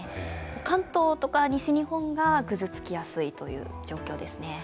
関東とか西日本がぐずつきやすいという状況です。